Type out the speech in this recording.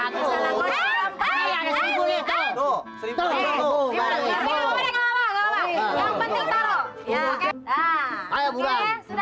ada sebuah makhluk yang paling heboh tapi kita akan